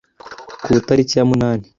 ku tariki ya munani.